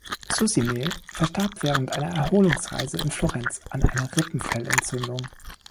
Susemihl verstarb während einer Erholungsreise in Florenz an einer Rippenfellentzündung.